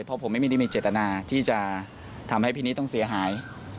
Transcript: เพราะผมไม่ได้มีเจตนาที่จะทำให้พี่นิดต้องเสียหาย